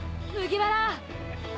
麦わら！